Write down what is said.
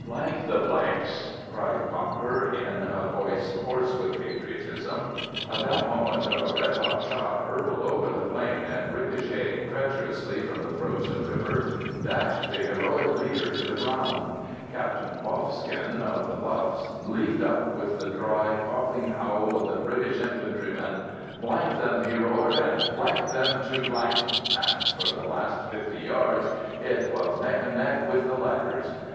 the s," cried Cocker in a voice hoarse with patriotism; at that moment a red hot shot hurtled over the plain and, ricocheting treacherously from the frozen river, dashed the heroic leader to the ground. Captain Boffskin, of the Buffs, leapt up with the dry coughing howl of the British infantryman. " them," he roared, " them to "; and for the last fifty yards it was neck and neck with the ladders.